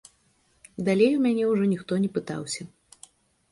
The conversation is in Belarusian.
Далей у мяне ўжо ніхто не пытаўся.